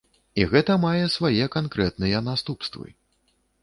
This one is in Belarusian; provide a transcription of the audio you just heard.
І гэта мае свае канкрэтныя наступствы.